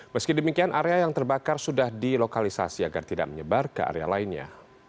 meski demikian area yang terbakar sudah dilokalisasi agar tidak menyebar ke area lainnya